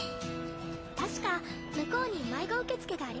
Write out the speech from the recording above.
確か向こうに迷子受付がありましたよね。